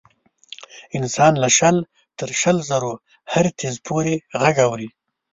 انسان له شل تر شل زرو هرتز پورې غږ اوري.